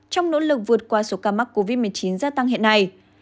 trong nỗ lực vượt qua số ca mắc covid một mươi chín gia tăng hiện nay